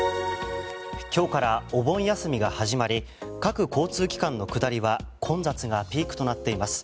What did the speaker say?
今日からお盆休みが始まり各交通機関の下りは混雑がピークとなっています。